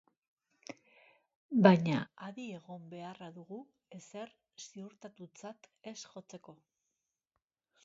Baina, adi egon beharra dugu ezer ziurtatutzat ez jotzeko.